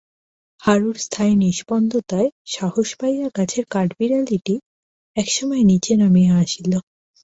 হারুর স্থায়ী নিম্পন্দতায় সাহস পাইয়া গাছের কাঠবিড়ালিটি একসময় নিচে নামিয়া আসিল।